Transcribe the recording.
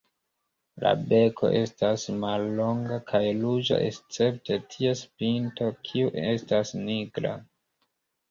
La beko estas mallonga kaj ruĝa escepte ties pinto kiu estas nigra.